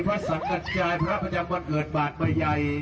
พระสัมกัจจัยพระประจำบันเอิร์ตบาทบายัย